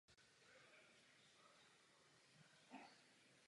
Všichni víme, že některé naše partnery bude těžké přesvědčit.